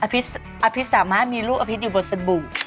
อภิษฐ์อภิษฐ์สามารถมีลูกอภิษฐ์อยู่บนสมบูรณ์